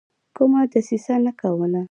کومه دسیسه نه کوله.